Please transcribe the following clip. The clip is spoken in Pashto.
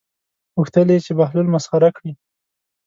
غوښتل یې چې بهلول مسخره کړي.